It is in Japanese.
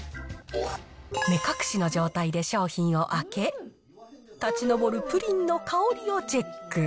目隠しの状態で商品を開け、立ち上るプリンの香りをチェック。